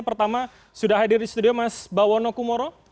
pertama sudah hadir di studio mas bawono kumoro